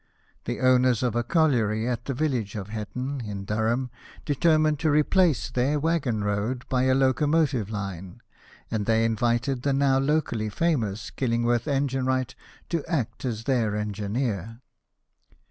The owners of a colliery at the village of Hetton, in Durham, determined to replace their waggon road by a locomotive line ; and they invited the now locally famous Kil lingworth engine wright to act as their engineer.